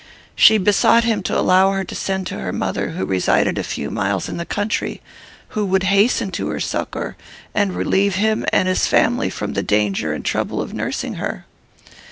She besought him to allow her to send to her mother, who resided a few miles in the country, who would hasten to her succour, and relieve him and his family from the danger and trouble of nursing her.